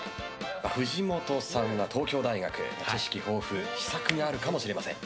藤本さんが東京大学知識豊富秘策があるかもしれません。